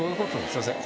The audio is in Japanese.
すいません